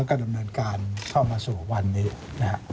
แล้วก็ดำเนินการเข้ามาสู่วันนี้นะครับ